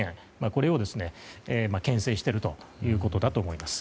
これを牽制しているということだと思います。